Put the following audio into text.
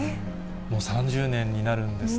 もう３０年になるんですね。